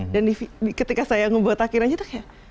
dan ketika saya ngebotakin aja itu kayak